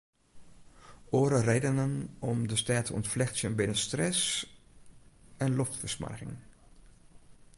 Oare redenen om de stêd te ûntflechtsjen binne stress en loftfersmoarging.